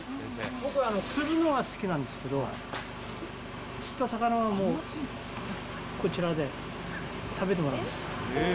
僕は釣るのは好きなんですけど、釣った魚はこちらで食べてもらうんですよ。